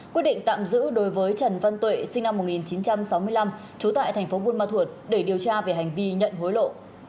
quyết định tạm giữ đối với trần văn tuệ sinh năm một nghìn chín trăm sáu mươi năm trú tại tp bunma thuột để điều tra về hành vi nhận hối lộ